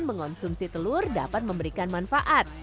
mengonsumsi telur dapat memberikan manfaat